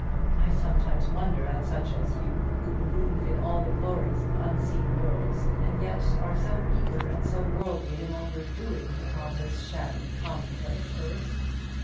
I sometimes wonder at such as you, who believe in all the glories of unseen worlds, and yet are so eager and so worldly in all your doings upon this shabby commonplace earth.